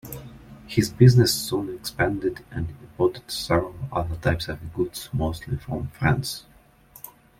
His business soon expanded and imported several other types of goods, mostly from France.